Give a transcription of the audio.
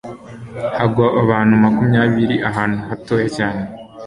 hagwa abantu makumyabiri ahantu hatoya cyane